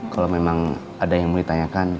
kalau memang ada yang mau ditanyakan